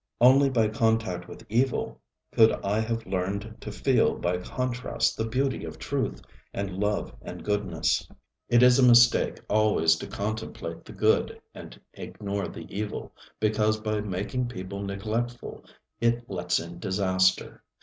Only by contact with evil could I have learned to feel by contrast the beauty of truth and love and goodness. It is a mistake always to contemplate the good and ignore the evil, because by making people neglectful it lets in disaster.